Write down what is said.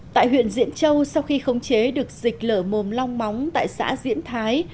tại huyện diễn châu sau khi khống chế được dịch lở mồm long móng tại xã diễn thái